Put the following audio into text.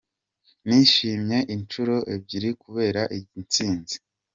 Nishimye inshuro ebyiri kubera iyi ntsinzi!”.